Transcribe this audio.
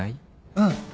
うん。